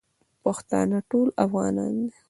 پښتانه ټول افغانان دی.